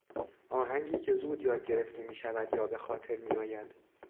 آهنگی که زود یاد گرفته میشود یا به خاطر میآید